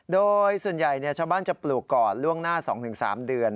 โดยส่วนใหญ่ชาวบ้านจะปลูกก่อนล่วงหน้า๒๓เดือน